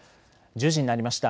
１０時になりました。